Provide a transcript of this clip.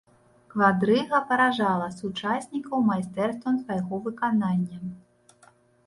Квадрыга паражала сучаснікаў майстэрствам свайго выканання.